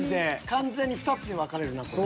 完全に２つに分かれるなこれ。